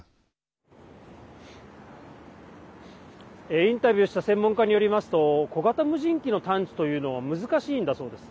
インタビューした専門家によりますと小型無人機の探知というのは難しいんだそうです。